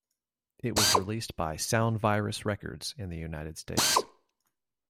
It was released by Sound Virus Records in the United States.